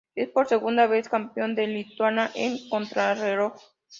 Es por segunda vez campeón de Lituania en contrarreloj.